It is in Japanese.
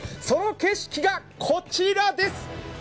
その景色が、こちらです。